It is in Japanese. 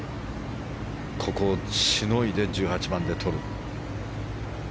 ここをしのいで１８番でとる。